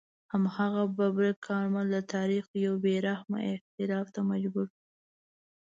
هماغه ببرک کارمل د تاریخ یو بې رحمه اعتراف ته مجبور شو.